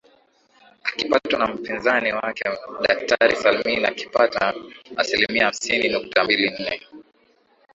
Akiptwa na mpinzani wake Daktari Salmin akipata asilimia hamsini nukta mbili nne